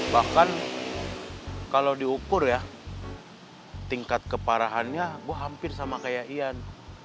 bahkan kalau diukur ya tingkat keparahannya gue hampir sama kayak ian